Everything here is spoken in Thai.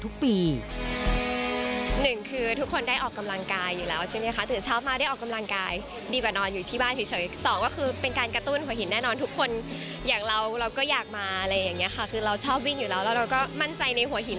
คือเราชอบวิ่งอยู่แล้วแล้วเราก็มั่นใจในหัวหิน